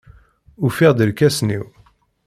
Ufiɣ-d irkasen-iw.